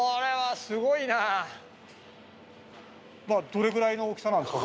どれぐらいの大きさなんですか？